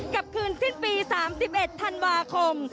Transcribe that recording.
กับคืนสิ้นปี๓๑ธันวาคม